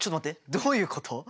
どういうこと？